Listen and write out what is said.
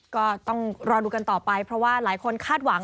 ก็ต้องรอดูกันต่อไปเพราะว่าหลายคนคาดหวัง